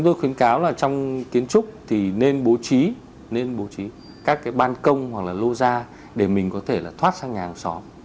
tôi khuyến cáo là trong kiến trúc thì nên bố trí các ban công hoặc là lô da để mình có thể thoát sang nhà hàng xóm